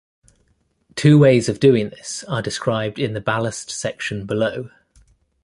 Two ways of doing this are described in the ballast section below.